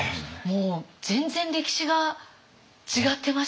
もう全然歴史が違ってましたよね。